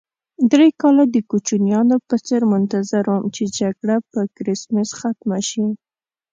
درې کاله د کوچنیانو په څېر منتظر وم چې جګړه په کرېسمس ختمه شي.